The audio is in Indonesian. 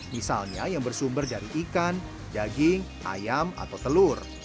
misalnya yang bersumber dari ikan daging ayam atau telur